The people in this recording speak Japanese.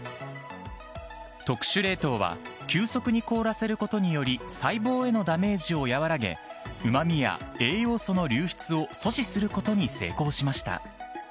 特殊冷凍は、急速に凍らせることにより、細胞へのダメージを和らげ、うまみや栄養素の流出を阻止することに成功しました。